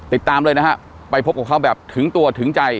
ติดตามเลยนะฮะไปพบกับเขาแบบถึงตัวถึงใจ